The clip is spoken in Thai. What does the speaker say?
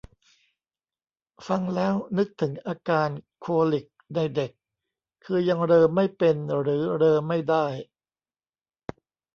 ฟังแล้วนึกถึงอาการโคลิคในเด็ก คือยังเรอไม่เป็นหรือเรอไม่ได้